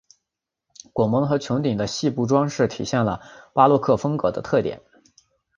拱门和穹顶的细部装饰体现了巴洛克风格的特点。